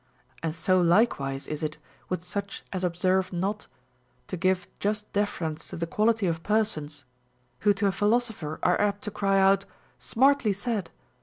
And so likcAvise is it with such as observe not to give just deference to the quality of persons, Avho to a philosopher are apt to cry out, Smartly said